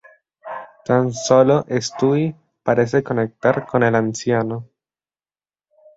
Tan solo Stewie parece conectar con el anciano.